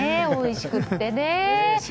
おいしくってね。